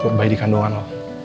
gue bayi di kandungan lo